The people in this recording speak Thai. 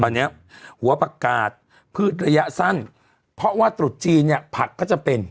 ตอนนี้หัวประกาศพืชระยะสั้นเพราะว่าตรุษจีนเนี่ยผักก็จะเป็น